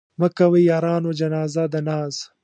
مه کوئ يارانو جنازه د ناز